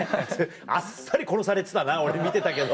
あっさり殺されてたな俺見てたけど。